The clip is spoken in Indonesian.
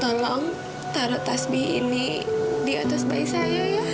tolong taruh tasbih ini di atas bayi saya ya